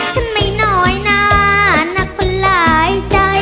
ฉันไม่น้อยหน้านักคนหลายใจ